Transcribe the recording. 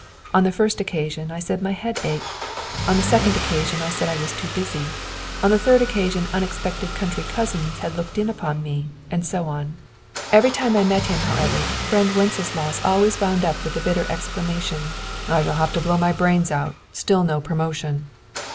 On the first occasion I said my head ached; on the second occasion I said I was too busy; on the third occasion unexpected country cousins had looked in upon me, and so on. Every time I met him, however, friend Wenceslaus always wound up with the bitter exclamation: "I shall have to blow my brains out. Still no promotion!"